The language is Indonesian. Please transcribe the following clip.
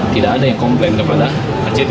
tidak ada yang komplain kepada act